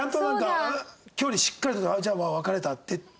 距離しっかりとじゃあ別れたっていって。